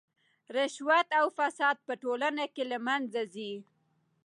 رشوت او فساد په ټولنه کې له منځه ځي.